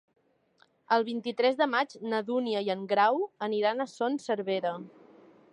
El vint-i-tres de maig na Dúnia i en Grau aniran a Son Servera.